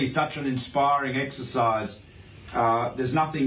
อย่างน้อยอยู่ในมหาว้าง